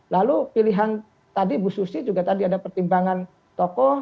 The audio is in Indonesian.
lalu pilihan tadi bu susi juga tadi ada pertimbangan tokoh